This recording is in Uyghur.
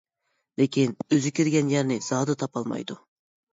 لېكىن ئۆزى كىرگەن يەرنى زادى تاپالمايدۇ.